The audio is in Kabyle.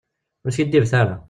Ur skiddibet ara.